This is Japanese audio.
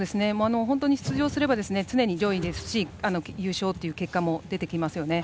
出場すれば常に上位ですし優勝という結果も出てきますよね。